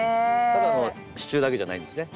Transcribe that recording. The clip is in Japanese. ただの支柱だけじゃないんですね。